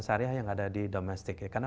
syariah yang ada di domestik ya karena